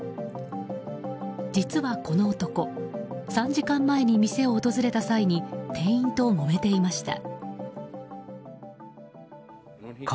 実はこの男３時間前に店を訪れた際に店員ともめていました。